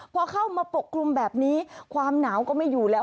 พอเข้ามาปกคลุมแบบนี้ความหนาวก็ไม่อยู่แล้ว